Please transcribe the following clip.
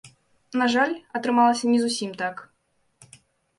На жаль, атрымалася не зусім так.